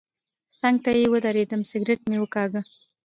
څنګ ته یې ودرېدم سګرټ مې ولګاوه.